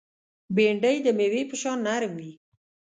بېنډۍ د مېوې په شان نرم وي